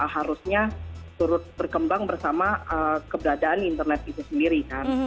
harusnya turut berkembang bersama keberadaan internet itu sendiri kan